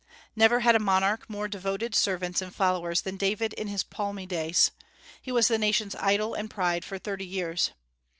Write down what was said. Never had a monarch more devoted servants and followers than David in his palmy days; he was the nation's idol and pride for thirty years.